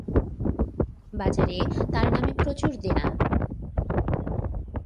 বাজারে তার নামে প্রচুর দেনা।